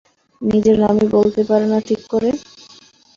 নিজের নামই বলতে পারে না ঠিক করে।